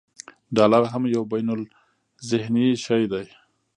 ډالر هم یو بینالذهني شی دی.